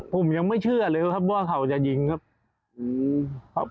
ผมยังไม่เชื่อเลยครับว่าเขาจะยิงครับ